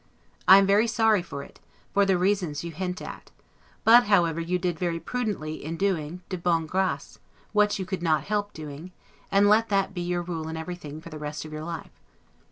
I am very sorry for it, for the reasons you hint at; but, however, you did very prudently, in doing, 'de bonne grace', what you could not help doing; and let that be your rule in every thing for the rest of your life.